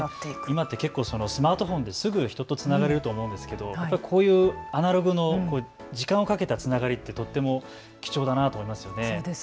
今ってすぐスマートフォンで人とつながれると思うんですけどこういうアナログの時間をかけたつながりってとっても貴重だなと思いますね。